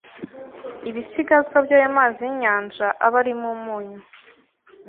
Ibisigazwa by’ayo mazi y’inyanja aba arimo umunyu